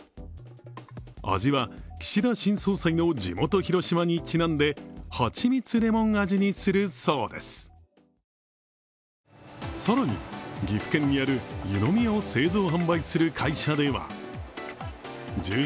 味は岸田新総裁の地元・広島にちなんではちみつレモン味にするそうです。